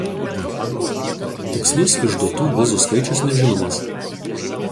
Tikslus išduotų vizų skaičius nežinomas.